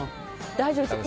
大丈夫ですよ。